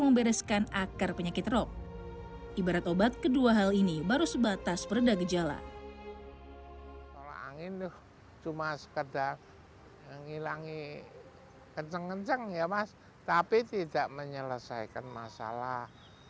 menghilangi kenceng kenceng ya mas tapi tidak menyelesaikan masalah